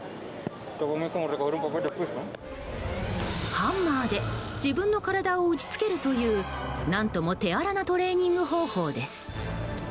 ハンマーで自分の体を打ち付けるという何とも手荒なトレーニング方法です。